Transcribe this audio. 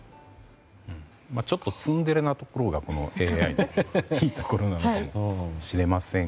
ちょっとツンデレなところがＡＩのいいところなのかもしれません。